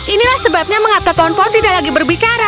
inilah sebabnya mengapa pohon pohon tidak lagi berbicara